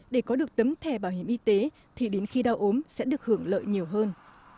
để có được tấm thẻ bảo hiểm y tế thì đến khi đau ốm sẽ được hưởng lợi nhiều hơn